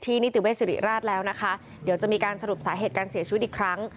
นิติเวศิริราชแล้วนะคะเดี๋ยวจะมีการสรุปสาเหตุการเสียชีวิตอีกครั้ง